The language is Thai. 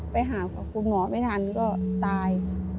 ไปหาคุณหมอไม่ทันก็ตาย